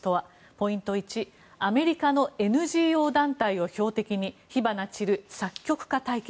ポイント１アメリカのＮＧＯ団体を標的に火花散る作曲家対決。